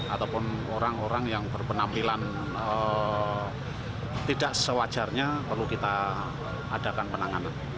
ataupun orang orang yang berpenampilan tidak sewajarnya perlu kita adakan penanganan